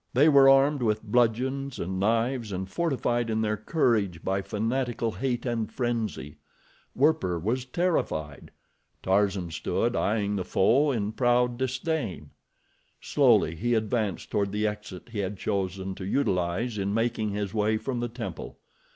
They were armed with bludgeons and knives, and fortified in their courage by fanatical hate and frenzy. Werper was terrified. Tarzan stood eyeing the foe in proud disdain. Slowly he advanced toward the exit he had chosen to utilize in making his way from the temple.